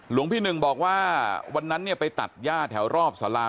หลวงพี่หนึ่งบอกว่าวันนั้นเนี่ยไปตัดย่าแถวรอบสารา